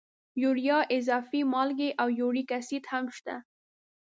یوریا، اضافي مالګې او یوریک اسید هم شته.